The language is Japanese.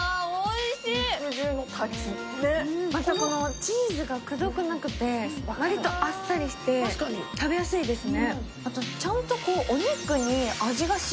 チーズがくどくなくて、割とあっさりして食べやすいですね。